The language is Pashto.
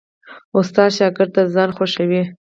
استاد شاګرد ته ځان خوښوي.